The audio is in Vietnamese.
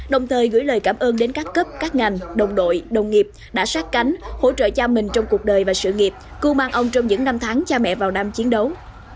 đồng thời gửi lời cảm ơn đến các cấp các ngành đồng đội đồng nghiệp đã sát cánh hỗ trợ cho mình trong cuộc đời và sự nghiệp cưu mang ông trong những năm tháng cha mẹ vào năm chiến đấu